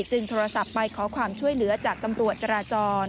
โทรศัพท์ไปขอความช่วยเหลือจากตำรวจจราจร